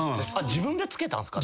・自分で付けたんですか？